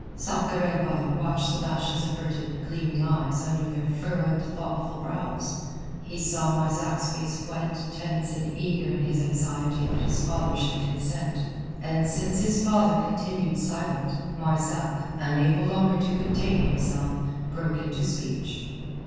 Sakr el Bahr watched the Basha's averted, gleaming eyes under their furrowed, thoughtful brows, he saw Marzak's face white, tense and eager in his anxiety that his father should consent. And since his father continued silent, Marzak, unable longer to contain himself, broke into speech.